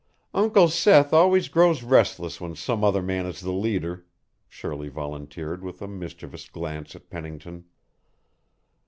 "Uncle Seth always grows restless when some other man is the leader," Shirley volunteered with a mischievous glance at Pennington.